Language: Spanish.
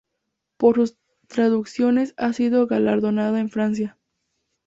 Por sus traducciones ha sido galardonada en Francia.